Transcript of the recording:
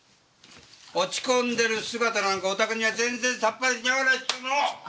落ち込んでる姿なんかおたくには全然さっぱり似合わないっつーの！